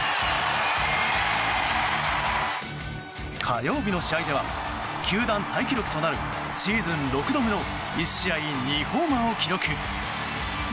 火曜日の試合では球団タイ記録となるシーズン６度目の１試合２ホーマーを記録。